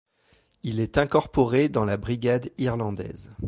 Il est incorporé dans la Brigade irlandaise.